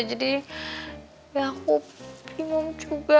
jadi aku bingung juga